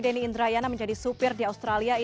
denny indrayana menjadi supir di australia